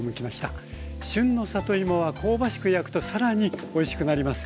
旬の里芋は香ばしく焼くと更においしくなります。